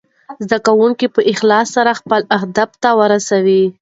زده کونکي په اخلاص سره خپل اهداف ته ورسوي.